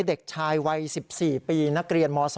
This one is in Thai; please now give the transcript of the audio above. เด็กชายวัย๑๔ปีนักเรียนม๒